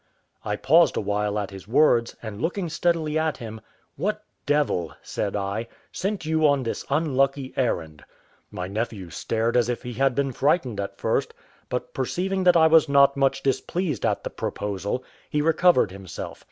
I paused a while at his words, and looking steadily at him, "What devil," said I, "sent you on this unlucky errand?" My nephew stared as if he had been frightened at first; but perceiving that I was not much displeased at the proposal, he recovered himself.